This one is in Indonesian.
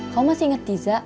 kamu masih inget diza